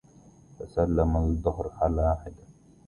تثلم الدهرُ على حده